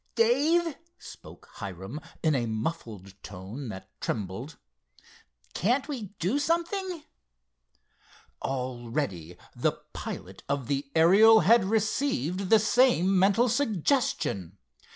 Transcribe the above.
"Dave," spoke Hiram in a muffled tone that trembled, "can't we do something?" Already the pilot of the Ariel had received the same mental suggestion.